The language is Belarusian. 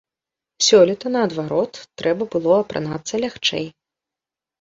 Сёлета, наадварот, трэба было апранацца лягчэй.